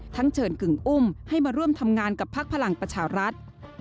เชิญกึ่งอุ้มให้มาร่วมทำงานกับพักพลังประชารัฐ